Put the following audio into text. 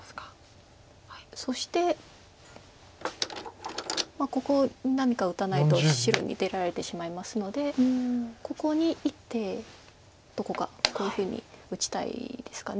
そしてここに何か打たないと白に出られてしまいますのでここに１手どこかこういうふうに打ちたいですか。